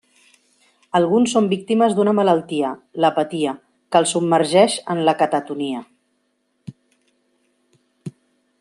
Alguns són víctimes d'una malaltia, l'apatia, que els submergeix en la catatonia.